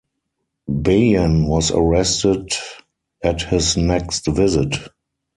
Bayan was arrested at his next visit.